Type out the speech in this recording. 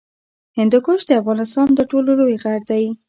هندوکش د افغانستان تر ټولو لوی غر دی